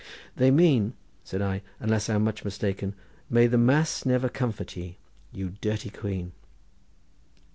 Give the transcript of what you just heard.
"They mean," said I, "unless I am much mistaken: 'May the Mass never comfort ye, you dirty quean!